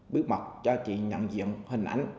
bước mặt cho chị nhận diện hình ảnh